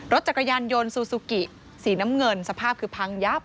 รถจักรยานยนต์ซูซูกิสีน้ำเงินสภาพคือพังยับ